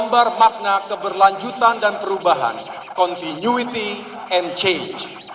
karena keberlanjutan dan perubahan continuity and change